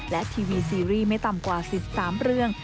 และทีวีซีรีส์ไม่ต่ำกว่า๑๓เรื่อง